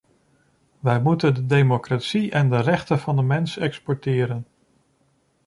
Wij moeten de democratie en de rechten van de mens exporteren.